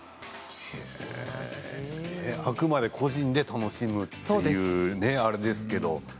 あくまで個人で楽しむという、あれですけれど。